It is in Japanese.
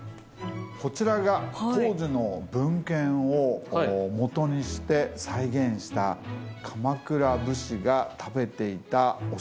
こちらが当時の文献をもとにして再現した鎌倉武士が食べていたお食事なんです。